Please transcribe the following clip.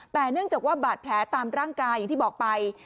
แต่เนื่องจากว่าบาดแผลตามร่างกายอย่างที่บอกไป